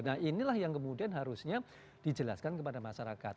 nah inilah yang kemudian harusnya dijelaskan kepada masyarakat